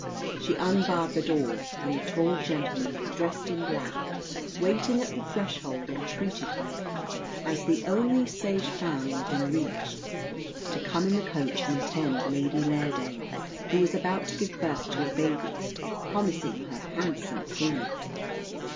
She unbarred the door; and a tall gentleman, dressed in black, waiting at the threshold, entreated her, as the only sage femme within reach, to come in the coach and attend Lady Lairdale, who was about to give birth to a baby, promising her handsome payment.